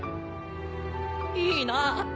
いいなぁ。